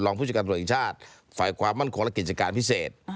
รองผู้จักรตุลอิสชาติฝ่ายความมั่นของและกิจการพิเศษ